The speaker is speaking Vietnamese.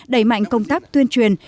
đẩy mạnh công tác tuyên truyền